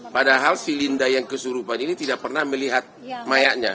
padahal si linda yang kesurupan ini tidak pernah melihat mayanya